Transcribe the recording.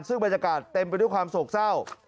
ซึ่งบรรยากาศเต็มไปด้วยความโศกเศร้า